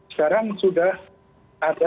sekarang sudah ada